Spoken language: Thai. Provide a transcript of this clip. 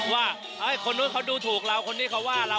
ว่าคนนู้นเขาดูถูกเราคนนี้เขาว่าเรา